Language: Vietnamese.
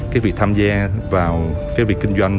cái việc tham gia vào cái việc kinh doanh